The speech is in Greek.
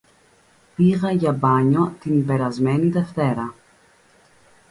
Πήγα για μπάνιο την περασμένη Δευτέρα.